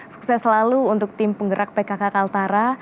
sukses selalu untuk tim penggerak pkk kaltara